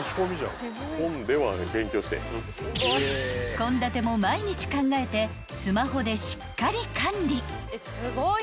［献立も毎日考えてスマホでしっかり管理］